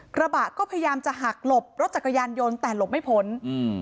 กระบะก็พยายามจะหักหลบรถจักรยานยนต์แต่หลบไม่พ้นอืม